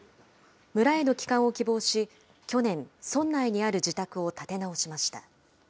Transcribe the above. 村への帰還を希望し、去年、村内にある自宅を建て直しました。